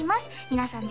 皆さん